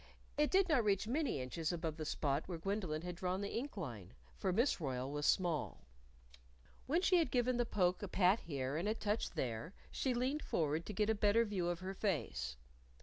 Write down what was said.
It did not reach many inches above the spot where Gwendolyn had drawn the ink line, for Miss Royle was small. When she had given the poke a pat here and a touch there, she leaned forward to get a better view of her face.